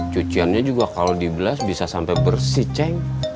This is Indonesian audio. cuciannya juga kalau di blas bisa sampai bersih ceng